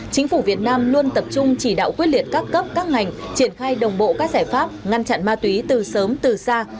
chính phủ việt nam luôn tập trung chỉ đạo quyết liệt các cấp các ngành triển khai đồng bộ các giải pháp ngăn chặn ma túy từ sớm từ xa